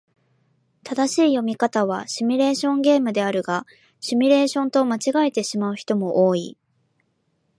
正しい読み方はシミュレーションゲームであるが、シュミレーションと間違えてしまう人も多い。